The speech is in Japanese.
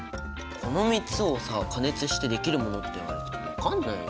この３つをさ加熱してできるものって言われても分かんないよ。